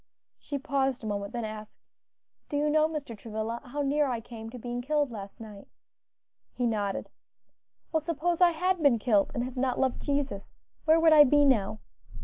She paused a moment; then asked, "Do you know, Mr. Travilla, how near I came to being killed last night?" He nodded. "Well, suppose I had been killed, and had not loved Jesus; where would I be now?"